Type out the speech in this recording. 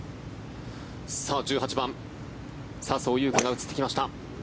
１８番、笹生優花が映ってきました。